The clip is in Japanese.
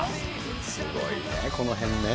すごいね、このへんね。